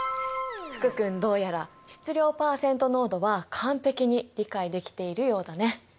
福君どうやら質量パーセント濃度は完璧に理解できているようだね。